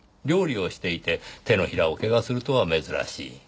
料理をしていて手のひらを怪我するとは珍しい。